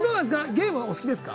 ゲームはお好きですか？